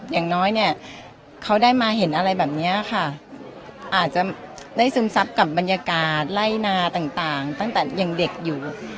อย่างน้อยเนี่ยเขาได้มาเห็นอะไรแบบนี้ค่ะอาจจะได้ซึมซับกับบรรยากาศไล่นาต่างตั้งแต่ยังเด็กอยู่